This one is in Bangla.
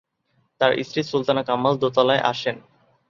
তার স্ত্রী সুলতানা কামাল দোতলায় আসেন।